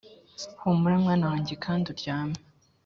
humura, mwana wanjye, kandi uryame.